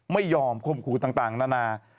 ไม่ยอมคมขู่ต่างนานา